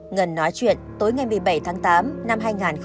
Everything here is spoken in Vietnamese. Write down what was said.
ngân nói chuyện tối ngày một mươi bảy tháng tám năm hai nghìn một mươi ba